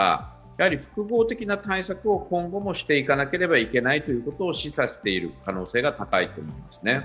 複合的な対策を今後もしていかなければいけないということを示唆している可能性が高いと思います。